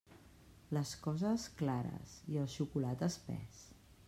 Les coses, clares, i el xocolate, espés.